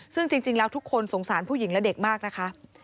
ซึ่งจริงแล้วทุกคนสงสารผู้หญิงและเด็กมากนะคะ